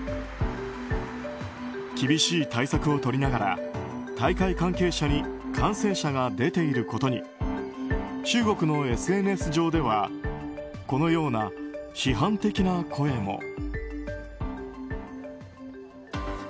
厳しい対策をとりながら大会関係者に感染者が出ていることに中国のＳＮＳ上ではこのような批判的な声も。